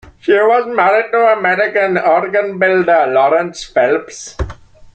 She was married to American organ builder Lawrence Phelps.